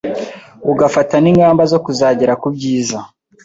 ugafata n’ingamba zo kuzagera kubyiza